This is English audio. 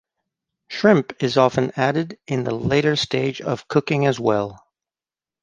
Shrimp is often added in the later stages of cooking as well.